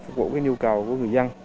phục vụ cái nhu cầu của người dân